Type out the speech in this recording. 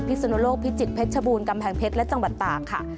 สุนโลกพิจิตรเพชรบูรณกำแพงเพชรและจังหวัดตากค่ะ